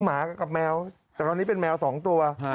หมากับแมวแต่ตอนนี้เป็นแมว๒ตัว